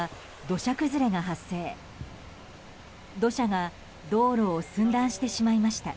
土砂が道路を寸断してしまいました。